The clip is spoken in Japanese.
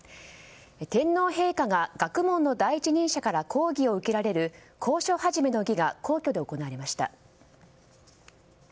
天皇陛下が学問の第一人者から講義を受けられる講書始の儀が皇居で行われました。